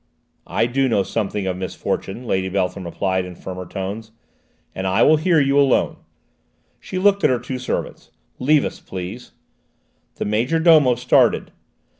"I do know something of misfortune," Lady Beltham replied, in firmer tones; "and I will hear you alone." She looked at her two servants. "Leave us, please." The major domo started.